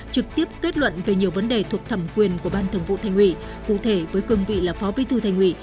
trực tiếp kết luận về nhiều vấn đề thuộc thẩm quyền của ban thường vụ thành ủy cụ thể với cương vị là phó bí thư thành ủy